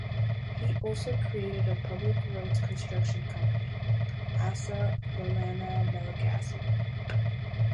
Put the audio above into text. He also created a public roads construction company, "Asa Lalana Malagasy".